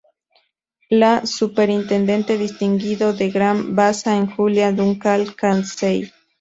La superintendente Distinguido de Gran Bassa es Julia Duncan Cassell.